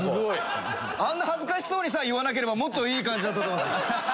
あんな恥ずかしそうにさえ言わなければもっといい感じだった。